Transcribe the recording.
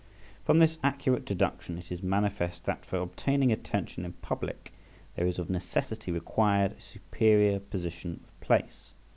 From this accurate deduction it is manifest that for obtaining attention in public there is of necessity required a superior position of place.